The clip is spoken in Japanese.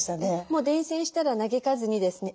もう伝線したら嘆かずにですね